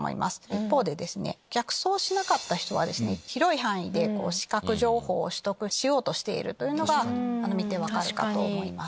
一方で逆走しなかった人は広い範囲で視覚情報を取得しようとしているのが見て分かるかと思います。